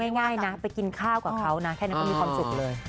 ง่ายนะไปกินข้าวกับเขานะแค่นั้นก็มีความสุขเลย